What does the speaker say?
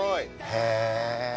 へえ。